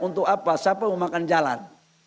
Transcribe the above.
untuk apa siapa yang mau makan jalan